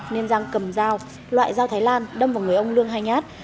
nên giang cầm dao loại dao thái lan đâm vào người ông lương hay nhát